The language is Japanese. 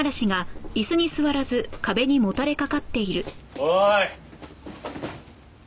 おい。